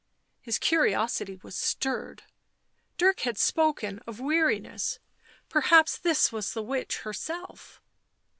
His curiosity was stirred; Dirk had spoken of weariness — perhaps this was the witch herself.